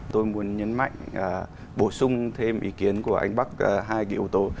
tôi muốn nhấn mạnh bổ sung thêm ý kiến của anh bắc hai cái yếu tố